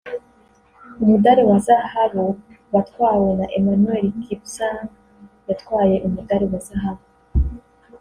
umudali wa zahabu watwawe na Emmanuel Kipsang yatwaye umudali wa zahabu